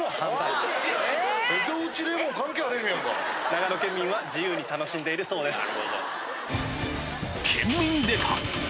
長野県民は自由に楽しんでいるそうです。